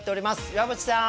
岩渕さん。